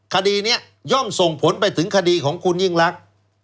คดีนี้ย่อมส่งผลไปถึงคดีของคุณยิ่งรัก